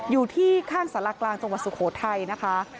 อยู่ที่ข้างสลักกลางตรงบาทสุโขทัยนะคะ